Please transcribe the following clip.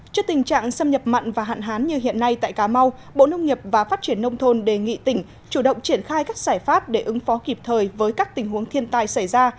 trước tình trạng xâm nhập mặn và hạn hán như hiện nay tại cà mau bộ nông nghiệp và phát triển nông thôn đề nghị tỉnh chủ động triển khai các giải pháp để ứng phó kịp thời với các tình huống thiên tai xảy ra